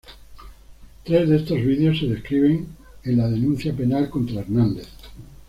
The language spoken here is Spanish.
Tres de estos vídeos se describen en la denuncia penal contra Hernández.